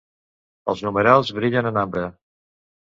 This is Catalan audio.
Els numerals brillen en ambre.